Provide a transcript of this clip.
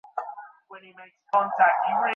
দেহনাশে এই অনাদি অনন্ত সনাতন আত্মা নষ্ট হন না।